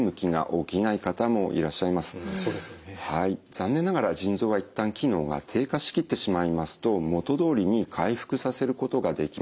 残念ながら腎臓は一旦機能が低下しきってしまいますと元どおりに回復させることができません。